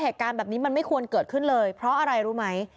เหตุการณ์แบบนี้มันไม่ควรเกิดขึ้นเลยเพราะอะไรรู้ไหม